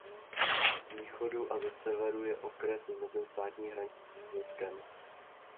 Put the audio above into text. Z východu a ze severu je okres vymezen státní hranicí s Polskem.